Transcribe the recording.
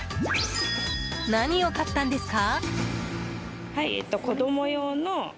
何を買ったんですか？